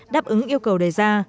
đáp ứng yêu cầu đề ra